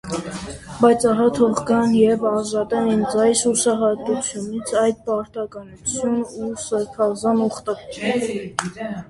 Բայց, ահա՛, թող գան և ազատեն ինձ այս հուսահատությունից այդ պարտականությունն ու սրբազան ուխտը: